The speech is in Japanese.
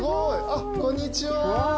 あっこんにちは。